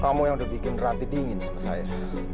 kamu yang udah bikin ranti dingin sama saya